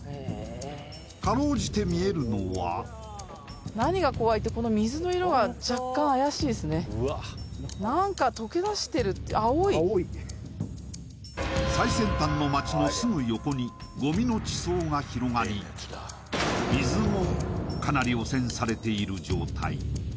かろうじて見えるのは最先端の街のすぐ横にごみの地層が広がり、水もかなり汚染されている状態。